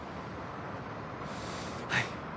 はい。